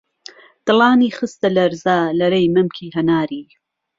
دڵانی خستە لەرزە، لەرەی مەمکی هەناری